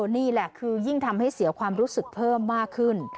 นี่แหละคือยิ่งทำให้เสียความรู้สึกเพิ่มมากขึ้น